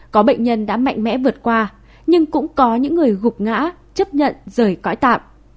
có bệnh nhân đã mạnh mẽ vượt qua nhưng cũng có những người gục ngã chấp nhận rời cõi tạm